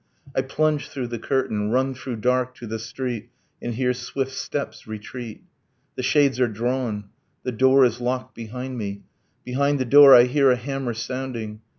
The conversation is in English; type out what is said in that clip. I plunge through the curtain, run through dark to the street, And hear swift steps retreat ... The shades are drawn, the door is locked behind me. Behind the door I hear a hammer sounding.